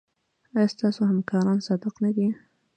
ایا ستاسو همکاران صادق نه دي؟